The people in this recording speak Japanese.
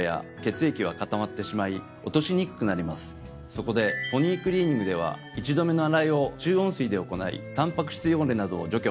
そこでポニークリーニングでは１度目の洗いを中温水で行いタンパク質汚れなどを除去。